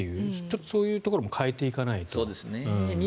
そういうところも変えていかないと。